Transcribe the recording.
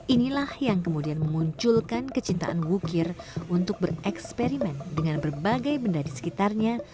inilah yang kemudian memunculkan kecintaan wukir untuk bereksperimen dengan berbagai benda di sekitarnya